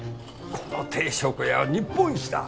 この定食屋は日本一だ。